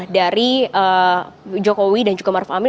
dari jokowi dan juga maruf amin